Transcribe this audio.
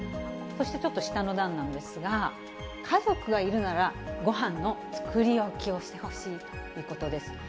そしてちょっと下の段なんですが、家族がいるなら、ごはんの作り置きをしてほしいということです。